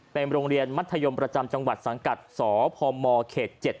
เป็นโรงเรียนมัธยมประจำจังหวัดสังกัดสพมเขต๗